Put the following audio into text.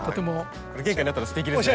これ玄関にあったらすてきですね。